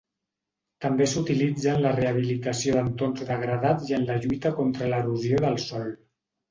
També s'utilitza en la rehabilitació d'entorns degradats i en la lluita contra l'erosió del sòl.